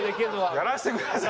やらせてください！